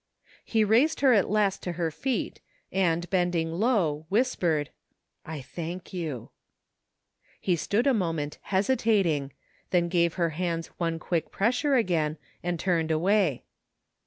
He raised her at last to her feet and, bending low, whispered :" I thank you.'' He stood a moment hesitating, then gave her hands one quick pressure again and turned away.